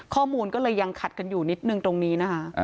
ข้อมูลก็เลยยังขัดกันอยู่นิดนึงตรงนี้นะคะ